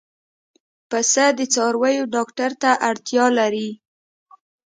پسه د څارویو ډاکټر ته اړتیا لري.